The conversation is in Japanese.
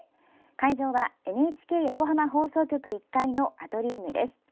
会場は、ＮＨＫ横浜放送局１階のアトリウムです。